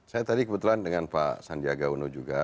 saya tadi kebetulan dengan pak sandiaga uno juga